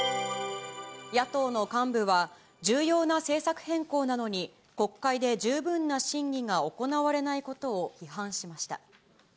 野党の幹部は、重要な政策変更なのに、国会で十分な審議が行われないことを批判しました。